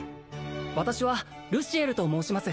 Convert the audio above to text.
私はルシエルと申します